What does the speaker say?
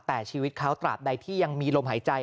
แต่ชีวิตเขาตราบใดที่ยังมีลมหายใจ